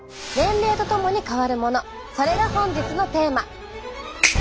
それが本日のテーマ！